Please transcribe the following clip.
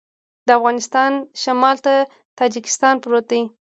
د افغانستان شمال ته تاجکستان پروت دی